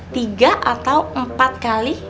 tiga atau empat kali